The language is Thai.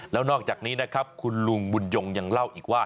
แล้วนอกจากนี้นะครับคุณลุงบุญยงยังเล่าอีกว่า